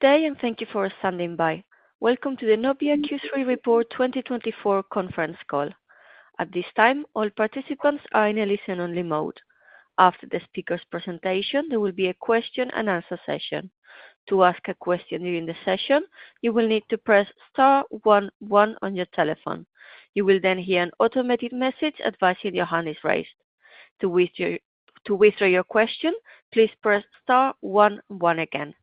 Good day, and thank you for standing by. Welcome to the Nobia Q3 Report 2024 conference call. At this time, all participants are in a listen-only mode. After the speaker's presentation, there will be a question-and-answer session. To ask a question during the session, you will need to press star one one on your telephone. You will then hear an automated message advising your hand is raised. To withdraw your question, please press star one one again.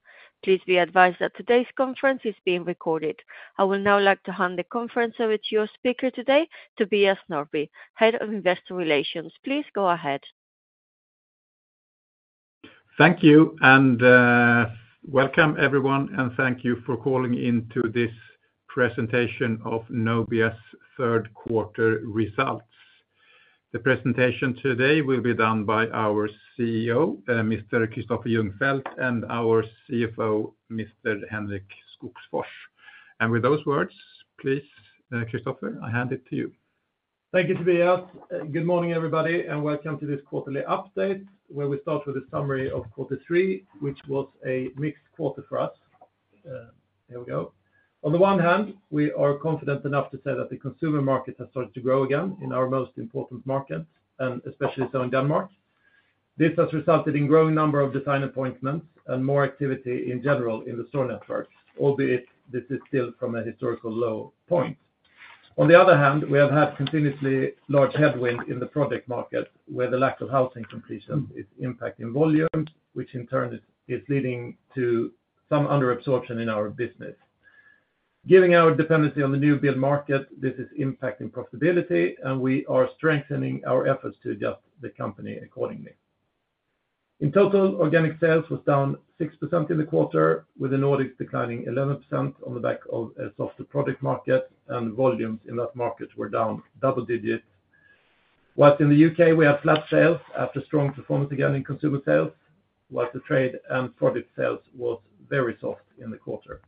Please be advised that today's conference is being recorded. I would now like to hand the conference over to your speaker today, Tobias Norrby, Head of Investor Relations. Please go ahead. Thank you, and welcome everyone, and thank you for calling in to this presentation of Nobia's third quarter results. The presentation today will be done by our CEO, Mr. Kristoffer Ljungfelt, and our CFO, Mr. Henrik Skogsfors, and with those words, please, Kristoffer, I hand it to you. Thank you, Tobias. Good morning, everybody, and welcome to this quarterly update, where we start with a summary of quarter three, which was a mixed quarter for us. Here we go. On the one hand, we are confident enough to say that the consumer market has started to grow again in our most important markets, and especially so in Denmark. This has resulted in a growing number of design appointments and more activity in general in the store network, albeit this is still from a historical low point. On the other hand, we have had continuously large headwinds in the project market, where the lack of housing completion is impacting volumes, which in turn is leading to some under-absorption in our business. Given our dependency on the new-build market, this is impacting profitability, and we are strengthening our efforts to adjust the company accordingly. In total, organic sales was down 6% in the quarter, with the Nordics declining 11% on the back of a softer project market, and volumes in that market were down double digits. Whilst in the U.K., we had flat sales after strong performance again in consumer sales, while the trade and project sales were very soft in the quarter.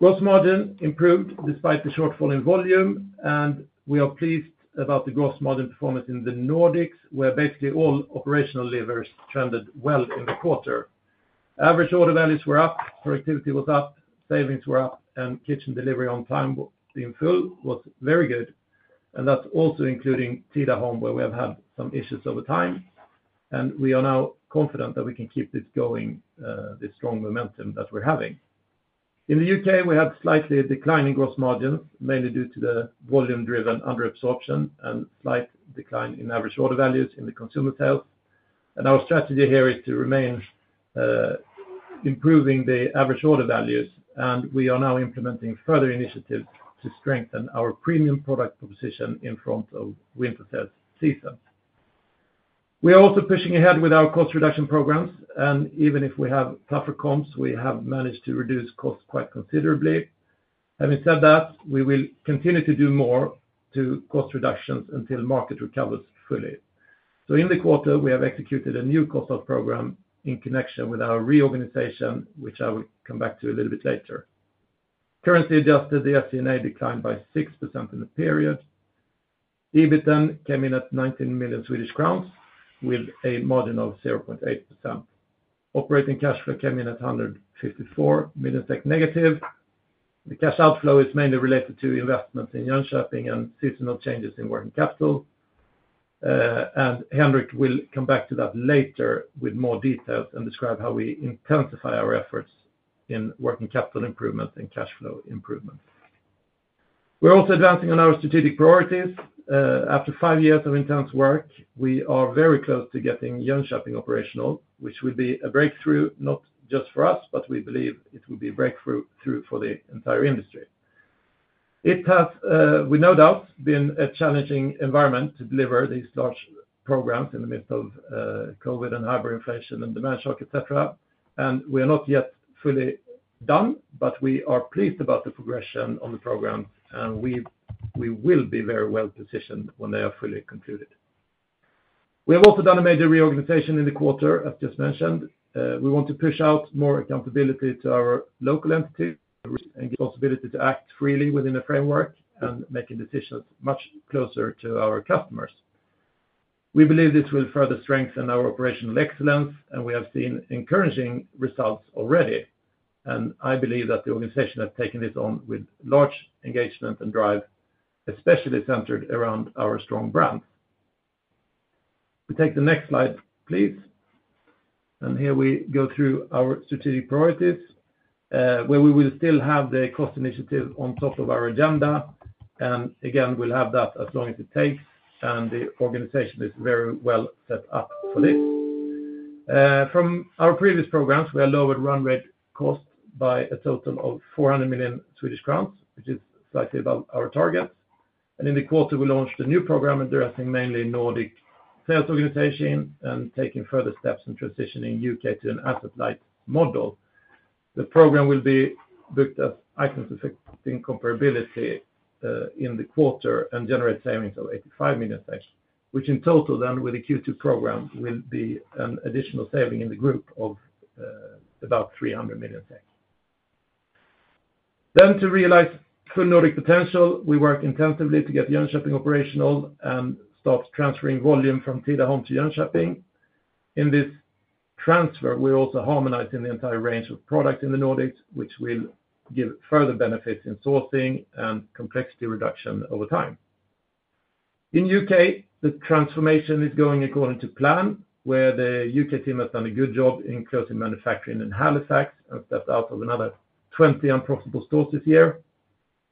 Gross margin improved despite the shortfall in volume, and we are pleased about the gross margin performance in the Nordics, where basically all operational levers trended well in the quarter. Average order values were up, productivity was up, savings were up, and kitchen delivery on time in full was very good, and that's also including Tidaholm, where we have had some issues over time, and we are now confident that we can keep this going, this strong momentum that we're having. In the U.K., we had slightly declining gross margins, mainly due to the volume-driven under-absorption and slight decline in average order values in the consumer sales, and our strategy here is to remain improving the average order values, and we are now implementing further initiatives to strengthen our premium product position in front of winter sales seasons. We are also pushing ahead with our cost reduction programs, and even if we have tougher comps, we have managed to reduce costs quite considerably. Having said that, we will continue to do more to cost reductions until the market recovers fully. So in the quarter, we have executed a new cost cut program in connection with our reorganization, which I will come back to a little bit later. Currency adjusted, the SG&A declined by 6% in the period. EBITDA came in at 19 million Swedish crowns, with a margin of 0.8%. Operating cash flow came in at -154 million SEK. The cash outflow is mainly related to investments in Jönköping and seasonal changes in working capital, and Henrik will come back to that later with more details and describe how we intensify our efforts in working capital improvements and cash flow improvements. We're also advancing on our strategic priorities. After five years of intense work, we are very close to getting Jönköping operational, which will be a breakthrough not just for us, but we believe it will be a breakthrough for the entire industry. It has, with no doubt, been a challenging environment to deliver these large programs in the midst of COVID and hyperinflation and demand shock, etc., and we are not yet fully done, but we are pleased about the progression on the programs, and we will be very well positioned when they are fully concluded. We have also done a major reorganization in the quarter, as just mentioned. We want to push out more accountability to our local entities and give possibility to act freely within a framework and make decisions much closer to our customers. We believe this will further strengthen our operational excellence, and we have seen encouraging results already, and I believe that the organization has taken this on with large engagement and drive, especially centered around our strong brands. We take the next slide, please, and here we go through our strategic priorities, where we will still have the cost initiative on top of our agenda, and again, we'll have that as long as it takes, and the organization is very well set up for this. From our previous programs, we are lowered run rate costs by a total of 400 million Swedish crowns, which is slightly above our target, and in the quarter, we launched a new program addressing mainly Nordic sales organization and taking further steps in transitioning U.K. to an asset-light model. The program will be booked as items affecting comparability in the quarter and generate savings of 85 million, which in total then, with the Q2 program, will be an additional saving in the group of about 300 million. Then, to realize full Nordic potential, we worked intensively to get Jönköping operational and start transferring volume from Tidaholm to Jönköping. In this transfer, we're also harmonizing the entire range of products in the Nordics, which will give further benefits in sourcing and complexity reduction over time. In the U.K., the transformation is going according to plan, where the U.K. team has done a good job in closing manufacturing in Halifax and stepped out of another 20 unprofitable stores this year,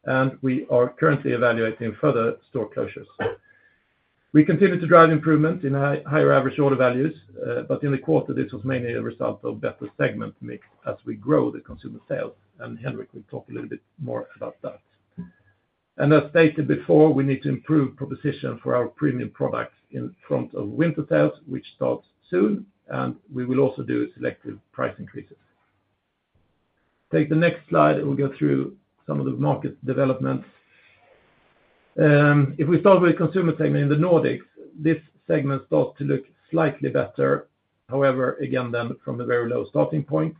and we are currently evaluating further store closures. We continue to drive improvements in higher average order values, but in the quarter, this was mainly a result of better segment mix as we grow the consumer sales, and Henrik will talk a little bit more about that. As stated before, we need to improve proposition for our premium products in front of winter sales, which starts soon, and we will also do selective price increases. Take the next slide, and we'll go through some of the market developments. If we start with consumer segment in the Nordics, this segment starts to look slightly better, however, again then from a very low starting point.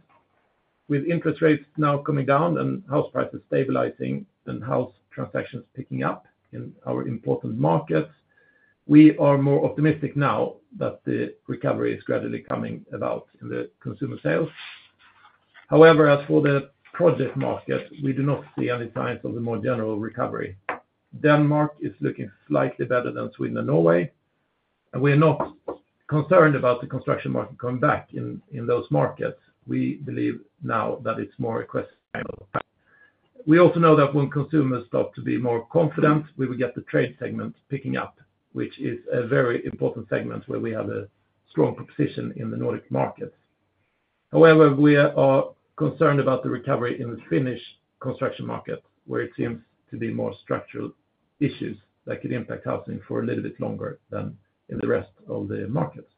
With interest rates now coming down and house prices stabilizing and house transactions picking up in our important markets, we are more optimistic now that the recovery is gradually coming about in the consumer sales. However, as for the project market, we do not see any signs of the more general recovery. Denmark is looking slightly better than Sweden and Norway, and we are not concerned about the construction market coming back in those markets. We believe now that it's more a question of time. We also know that when consumers start to be more confident, we will get the trade segment picking up, which is a very important segment where we have a strong proposition in the Nordic markets. However, we are concerned about the recovery in the Finnish construction market, where it seems to be more structural issues that could impact housing for a little bit longer than in the rest of the markets.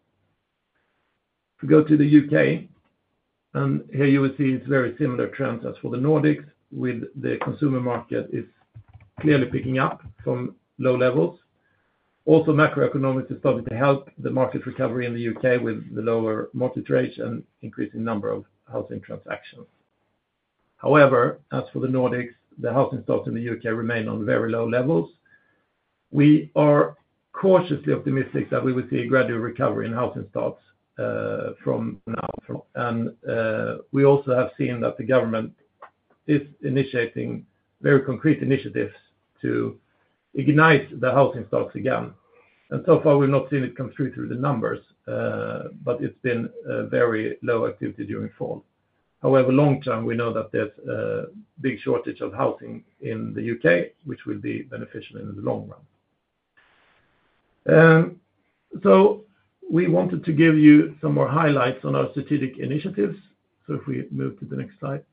If we go to the U.K., and here you will see it's very similar trends as for the Nordics, with the consumer market clearly picking up from low levels. Also, macroeconomics is starting to help the market recovery in the U.K. with the lower mortgage rates and increasing number of housing transactions. However, as for the Nordics, the housing stocks in the U.K. remain on very low levels. We are cautiously optimistic that we will see a gradual recovery in housing stocks from now, and we also have seen that the government is initiating very concrete initiatives to ignite the housing stocks again. So far, we've not seen it come through the numbers, but it's been very low activity during fall. However, long term, we know that there's a big shortage of housing in the U.K., which will be beneficial in the long run. We wanted to give you some more highlights on our strategic initiatives, so if we move to the next slide.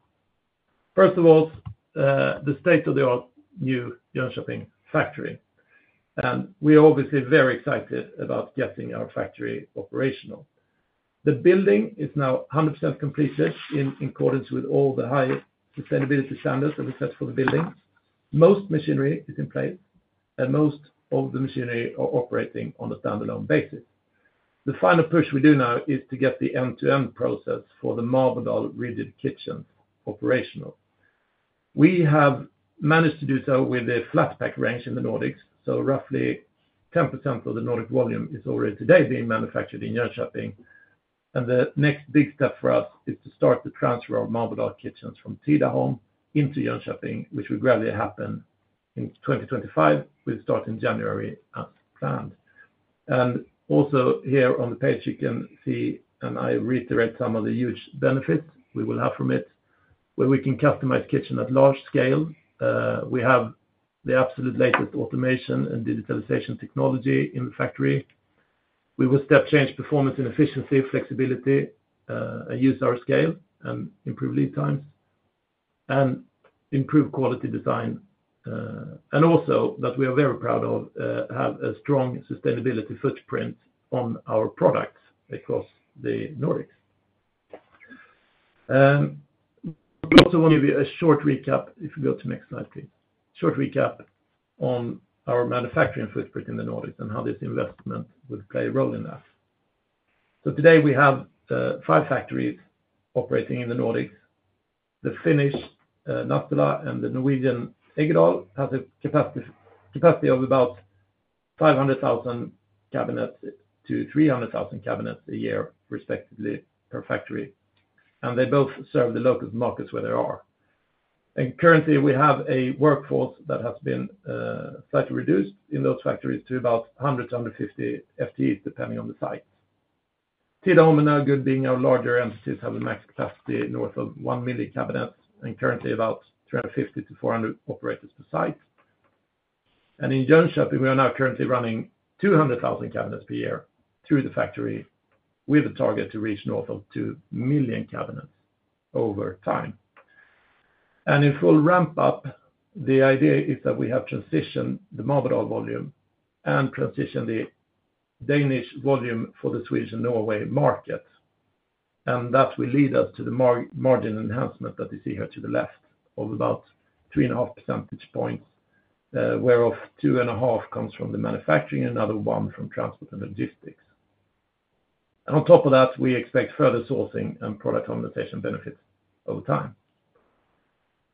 First of all, the state-of-the-art new Jönköping factory, and we are obviously very excited about getting our factory operational. The building is now 100% completed in accordance with all the high sustainability standards that we set for the building. Most machinery is in place, and most of the machinery are operating on a standalone basis. The final push we do now is to get the end-to-end process for the Marbodal rigid kitchens operational. We have managed to do so with a flat pack range in the Nordics, so roughly 10% of the Nordic volume is already today being manufactured in Jönköping, and the next big step for us is to start the transfer of Marbodal kitchens from Tidaholm into Jönköping, which will gradually happen in 2025. We'll start in January as planned, and also here on the page, you can see, and I reiterate some of the huge benefits we will have from it, where we can customize kitchens at large scale. We have the absolute latest automation and digitalization technology in the factory. We will step-change performance and efficiency, flexibility, and use our scale and improve lead times and improve quality design, and also that we are very proud to have a strong sustainability footprint on our products across the Nordics. I also want to give you a short recap if we go to the next slide, please. Short recap on our manufacturing footprint in the Nordics and how this investment will play a role in that. So today we have five factories operating in the Nordics. The Finnish Nastola and the Norwegian Eggedal have a capacity of about 500,000 cabinets to 300,000 cabinets a year, respectively, per factory, and they both serve the local markets where they are, and currently, we have a workforce that has been slightly reduced in those factories to about 100-150 FTEs, depending on the site. Tidaholm and Ølgod, being our larger entities, have a max capacity north of 1 million cabinets and currently about 350-400 operators per site. In Jönköping, we are now currently running 200,000 cabinets per year through the factory, with a target to reach north of 2 million cabinets over time. If we'll ramp up, the idea is that we have transitioned the Marbodal volume and transitioned the Danish volume for the Swedish and Norway markets, and that will lead us to the margin enhancement that you see here to the left of about three and a half percentage points, whereof two and a half comes from the manufacturing and another one from transport and logistics. On top of that, we expect further sourcing and product augmentation benefits over time.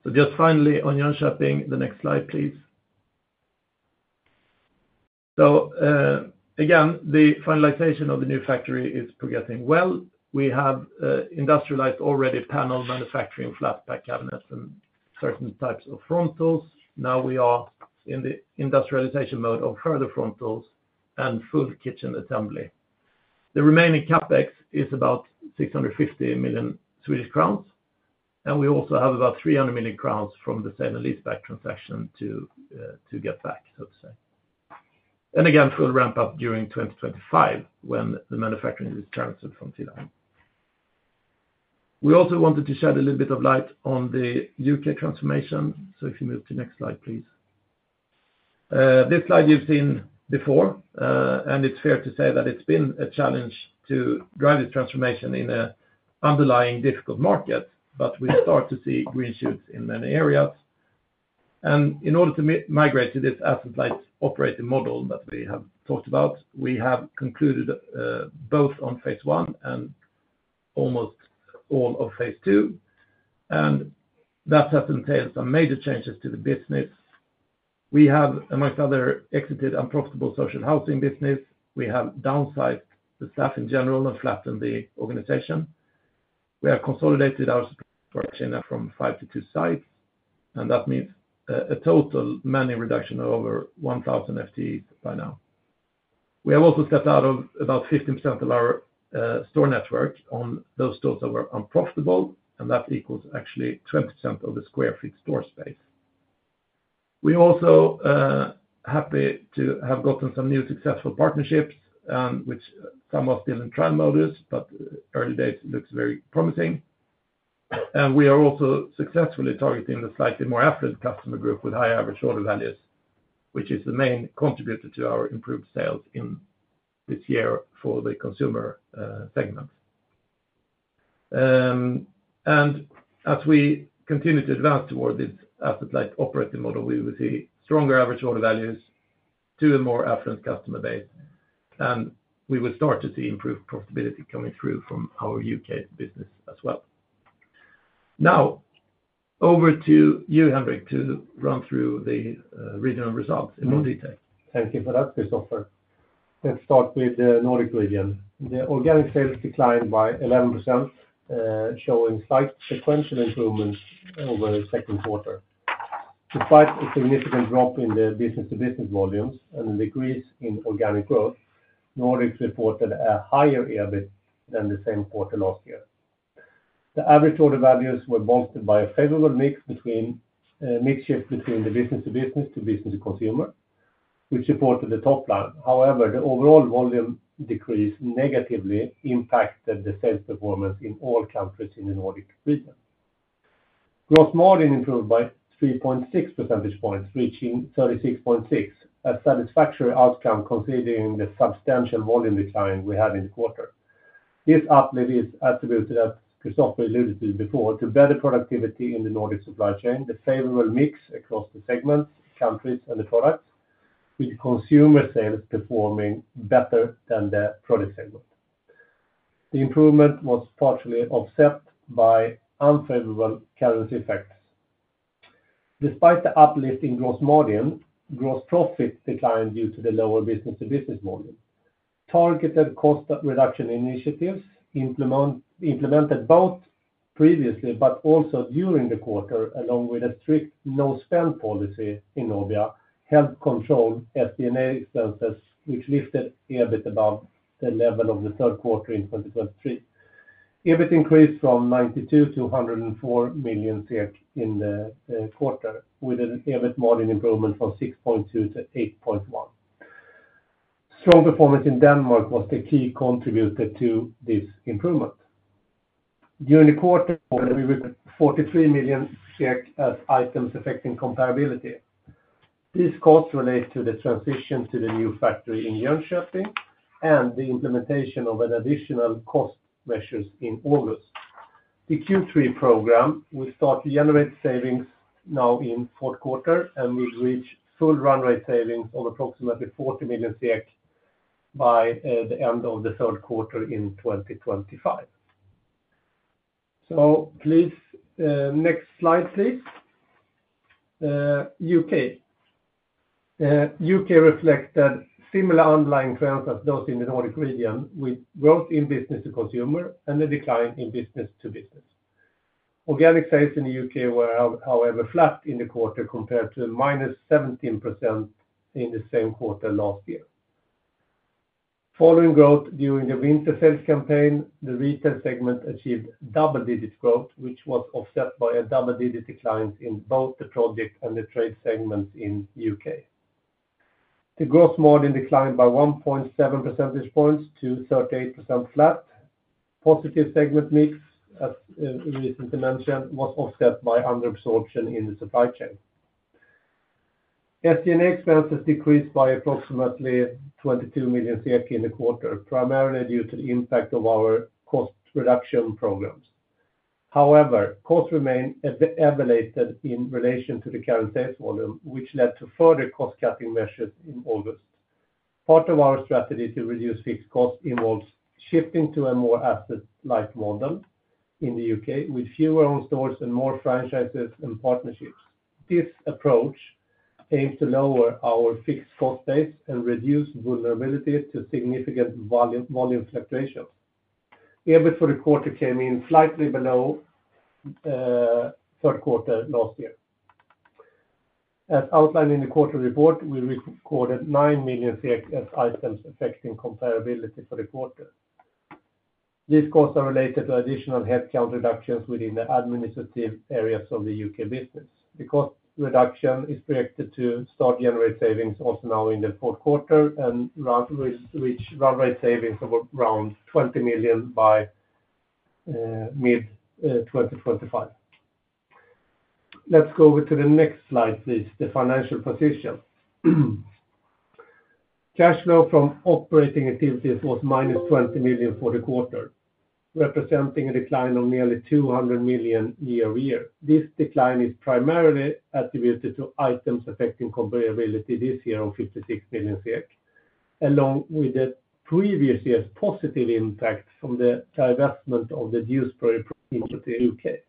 Just finally on Jönköping, the next slide, please. Again, the finalization of the new factory is progressing well. We have industrialized already panel manufacturing flat pack cabinets and certain types of frontals. Now we are in the industrialization mode of further frontals and full kitchen assembly. The remaining CapEx is about 650 million Swedish crowns, and we also have about 300 million crowns from the sale and leaseback transaction to get back, so to say. And again, full ramp up during 2025 when the manufacturing is transferred from Tidaholm. We also wanted to shed a little bit of light on the U.K. transformation, so if you move to the next slide, please. This slide you've seen before, and it's fair to say that it's been a challenge to drive this transformation in an underlying difficult market, but we start to see green shoots in many areas. And in order to migrate to this asset-light operating model that we have talked about, we have concluded both on phase one and almost all of phase two, and that has entailed some major changes to the business. We have, among other, exited unprofitable social housing business. We have downsized the staff in general and flattened the organization. We have consolidated our production from five to two sites, and that means a total manning reduction of over 1,000 FTEs by now. We have also stepped out of about 15% of our store network on those stores that were unprofitable, and that equals actually 20% of the square feet store space. We are also happy to have gotten some new successful partnerships, which some are still in trial mode, but early days look very promising. And we are also successfully targeting the slightly more affluent customer group with higher average order values, which is the main contributor to our improved sales in this year for the consumer segment. And as we continue to advance towards this asset-light operating model, we will see stronger average order values, to a more affluent customer base, and we will start to see improved profitability coming through from our U.K. business as well. Now, over to you, Henrik, to run through the regional results in more detail. Thank you for that, Kristoffer. Let's start with the Nordic region. The organic sales declined by 11%, showing slight sequential improvements over the second quarter. Despite a significant drop in the business-to-business volumes and a decrease in organic growth, Nordic reported a higher EBIT than the same quarter last year. The average order values were bolstered by a favorable mix shift between the business-to-business to business-to-consumer, which supported the top line. However, the overall volume decrease negatively impacted the sales performance in all countries in the Nordic region. Gross margin improved by 3.6 percentage points, reaching 36.6, a satisfactory outcome considering the substantial volume decline we had in the quarter. This uplift is attributed, as Kristoffer alluded to before, to better productivity in the Nordic supply chain, the favorable mix across the segments, countries, and the products, with consumer sales performing better than the project segment. The improvement was partially offset by unfavorable currency effects. Despite the uplift in gross margin, gross profit declined due to the lower business-to-business volume. Targeted cost reduction initiatives implemented both previously but also during the quarter, along with a strict no-spend policy in Nobia, helped control SG&A expenses, which lifted EBIT above the level of the third quarter in 2023. EBIT increased from 92 million-104 million in the quarter, with an EBIT margin improvement from 6.2%-8.1%. Strong performance in Denmark was the key contributor to this improvement. During the quarter, we had 43 million as items affecting comparability. These costs relate to the transition to the new factory in Jönköping and the implementation of additional cost measures in August. The Q3 program will start to generate savings now in the fourth quarter, and we've reached full run rate savings of approximately 40 million by the end of the third quarter in 2025. Please, next slide, please. U.K. U.K. reflected similar underlying trends as those in the Nordic region, with growth in business-to-consumer and a decline in business-to-business. Organic sales in the U.K. were, however, flat in the quarter compared to minus 17% in the same quarter last year. Following growth during the winter sales campaign, the retail segment achieved double-digit growth, which was offset by a double-digit decline in both the project and the trade segments in the U.K. The gross margin declined by 1.7 percentage points to 38% flat. Positive segment mix, as recently mentioned, was offset by underabsorption in the supply chain. SG&A expenses decreased by approximately 22 million in the quarter, primarily due to the impact of our cost reduction programs. However, costs remained elevated in relation to the current sales volume, which led to further cost-cutting measures in August. Part of our strategy to reduce fixed costs involves shifting to a more asset-light model in the U.K., with fewer own stores and more franchises and partnerships. This approach aims to lower our fixed cost base and reduce vulnerability to significant volume fluctuations. EBIT for the quarter came in slightly below the third quarter last year. As outlined in the quarter report, we recorded 9 million as items affecting comparability for the quarter. These costs are related to additional headcount reductions within the administrative areas of the U.K. business. The cost reduction is projected to start generating savings also now in the fourth quarter and reach run rate savings of around 20 million by mid-2025. Let's go over to the next slide, please, the financial position. Cash flow from operating activities was -20 million for the quarter, representing a decline of nearly 200 million year-over-year. This decline is primarily attributed to items affecting comparability this year of 56 million, along with the previous year's positive impact from the divestment of the business in the U.K.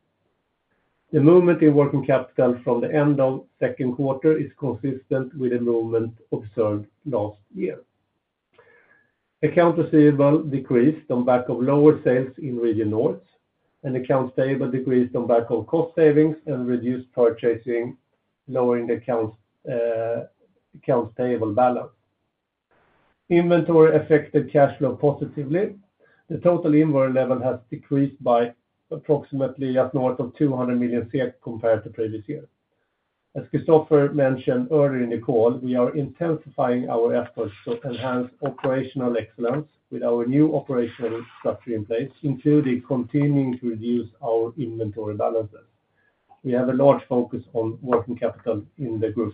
The movement in working capital from the end of the second quarter is consistent with the movement observed last year. Accounts receivable decreased on the back of lower sales in Region North, and accounts payable decreased on the back of cost savings and reduced purchasing, lowering the accounts payable balance. Inventory affected cash flow positively. The total inventory level has decreased by approximately just north of 200 million SEK compared to previous year. As Kristoffer mentioned earlier in the call, we are intensifying our efforts to enhance operational excellence with our new operational structure in place, including continuing to reduce our inventory balances. We have a large focus on working capital in the group.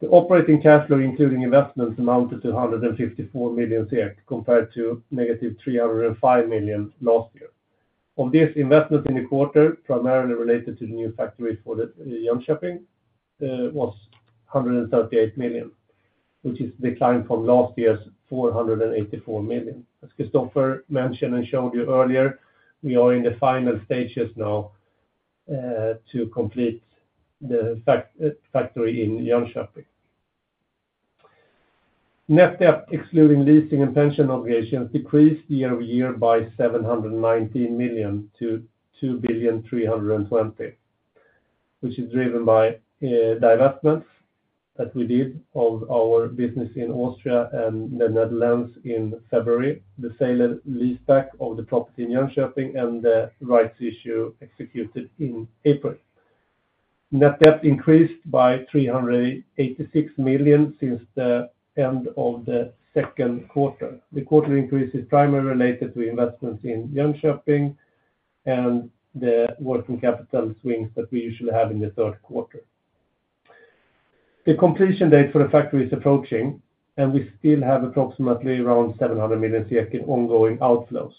The operating cash flow, including investments, amounted to 154 million compared to -305 million last year. Of this, investments in the quarter, primarily related to the new factory for Jönköping, was 138 million, which is a decline from last year's 484 million. As Kristoffer mentioned and showed you earlier, we are in the final stages now to complete the factory in Jönköping. Net debt, excluding leasing and pension obligations, decreased year-over-year by 719 million-2.32 billion, which is driven by divestments that we did of our business in Austria and the Netherlands in February, the sale and leaseback of the property in Jönköping, and the rights issue executed in April. Net debt increased by 386 million since the end of the second quarter. The quarter increase is primarily related to investments in Jönköping and the working capital swings that we usually have in the third quarter. The completion date for the factory is approaching, and we still have approximately around 700 million in ongoing outflows.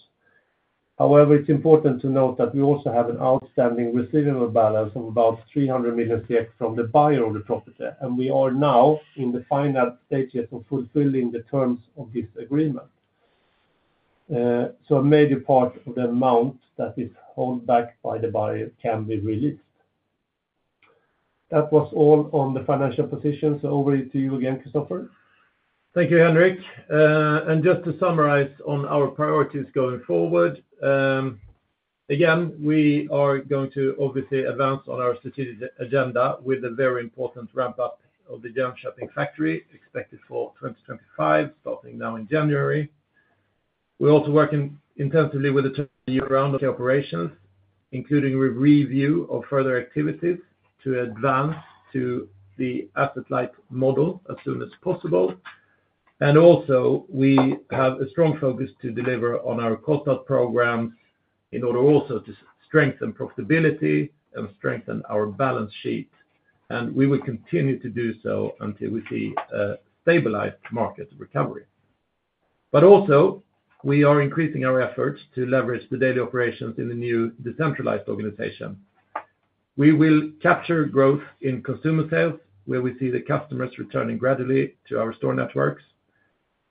However, it's important to note that we also have an outstanding receivable balance of about 300 million from the buyer of the property, and we are now in the final stages of fulfilling the terms of this agreement. So a major part of the amount that is held back by the buyer can be released. That was all on the financial position, so over to you again, Kristoffer. Thank you, Henrik. Just to summarize on our priorities going forward, again, we are going to obviously advance on our strategic agenda with a very important ramp-up of the Jönköping factory expected for 2025, starting now in January. We're also working intensively with the turnaround operations, including a review of further activities to advance to the asset-light model as soon as possible. We also have a strong focus to deliver on our cost-out programs in order also to strengthen profitability and strengthen our balance sheet, and we will continue to do so until we see a stabilized market recovery. We are also increasing our efforts to leverage the daily operations in the new decentralized organization. We will capture growth in consumer sales, where we see the customers returning gradually to our store networks.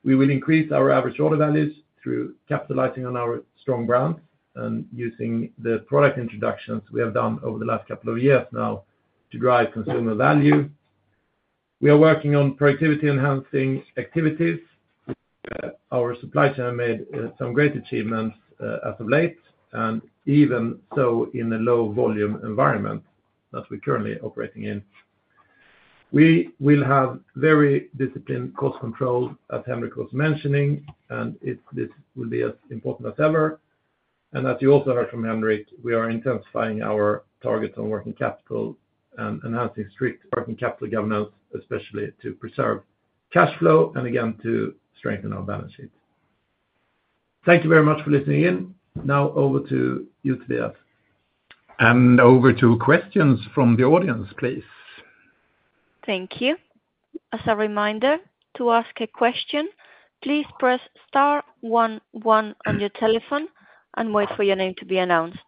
We will increase our average order values through capitalizing on our strong brands and using the product introductions we have done over the last couple of years now to drive consumer value. We are working on productivity-enhancing activities. Our supply chain made some great achievements as of late, and even so in a low-volume environment that we're currently operating in. We will have very disciplined cost control, as Henrik was mentioning, and this will be as important as ever. And as you also heard from Henrik, we are intensifying our targets on working capital and enhancing strict working capital governance, especially to preserve cash flow and, again, to strengthen our balance sheet. Thank you very much for listening in. Now, over to you to the end. And over to questions from the audience, please. Thank you. As a reminder, to ask a question, please press star one one on your telephone and wait for your name to be announced.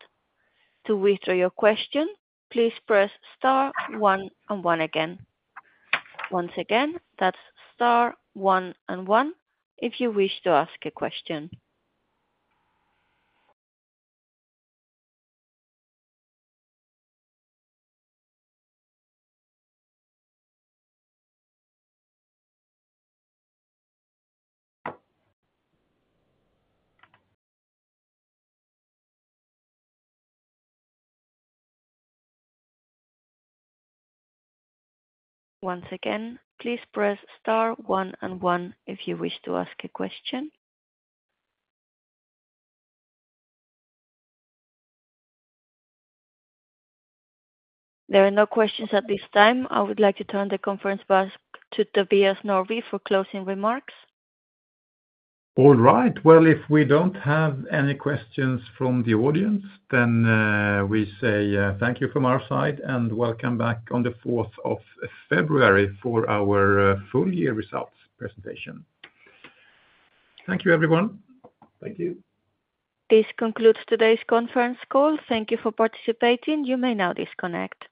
To withdraw your question, please press star one one again. Once again, that's star one and one if you wish to ask a question. Once again, please press star one and one if you wish to ask a question. There are no questions at this time. I would like to turn the conference over to Tobias Norrby for closing remarks. All right. Well, if we don't have any questions from the audience, then we say thank you from our side and welcome back on the 4th of February for our full-year results presentation. Thank you, everyone. Thank you. This concludes today's conference call. Thank you for participating. You may now disconnect.